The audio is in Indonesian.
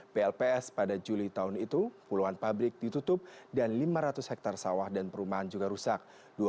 plps pada juli tahun itu puluhan pabrik ditutup dan lima ratus hektare sawah dan perumahan juga rusak